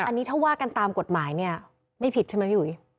อันนี้ถ้าว่ากันตามกฎหมายเนี่ยไม่ผิดใช่ไหมพี่อุ๋ย